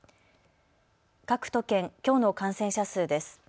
各都県、きょうの感染者数です。